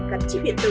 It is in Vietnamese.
cắn chiếc điện tử